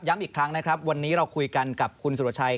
อีกครั้งนะครับวันนี้เราคุยกันกับคุณสุรชัย